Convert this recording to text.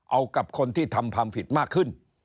เอากับคนที่ทำความผิดมากขึ้น